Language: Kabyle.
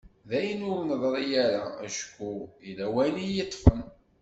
D ayen ur d-neḍri ara acku yella wayen i yi-yeṭṭfen.